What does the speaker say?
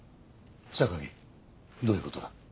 榊どういう事だ？